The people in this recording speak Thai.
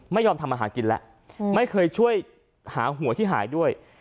ไม่ยอมทำอาหารกินแล้วไม่เคยช่วยหาหัวที่หายด้วย